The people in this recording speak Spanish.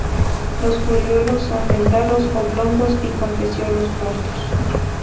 Los foliolos son dentados, oblongos y con peciolos cortos.